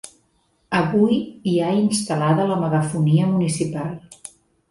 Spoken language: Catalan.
Avui hi ha instal·lada la megafonia municipal.